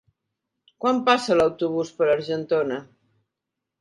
Quan passa l'autobús per Argentona?